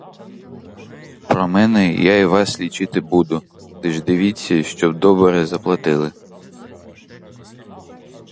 Про мене, я і вас лічити буду, лиш дивіться, щоб добре заплатили.